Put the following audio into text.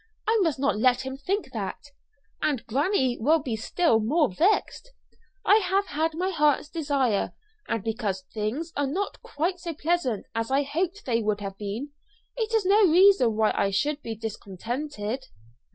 I must not let him think that. And granny will be still more vexed. I have had my heart's desire, and because things are not quite so pleasant as I hoped they would have been, it is no reason why I should be discontented."